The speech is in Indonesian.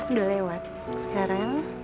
aku udah lewat sekarang